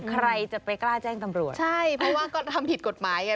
ใครจะไปกล้าแจ้งตำรวจใช่เพราะว่าก็ทำผิดกฎหมายไง